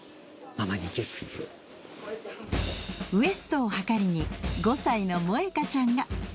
ウエストを測りに５歳の萌香ちゃんが。